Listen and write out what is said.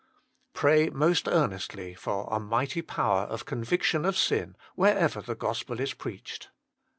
Pray most earnestly for a mighty power of conviction of sin wherever the gospel is preached.